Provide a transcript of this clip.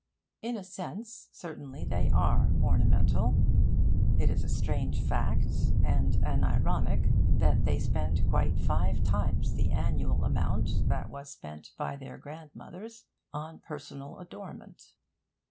In a sense, certainly, they are ornamental. It is a strange fact, and an ironic, that they spend quite five times the annual amount that was spent by their grandmothers on personal adornment.